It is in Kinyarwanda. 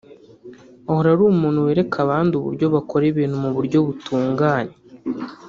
ahora ari umuntu wereka abandi uburyo bakora ibintu mu buryo butunganye